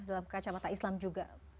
dalam kacamata islam juga